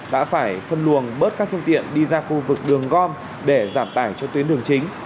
đã phải phân luồng bớt các phương tiện đi ra khu vực đường gom để giảm tải cho tuyến đường chính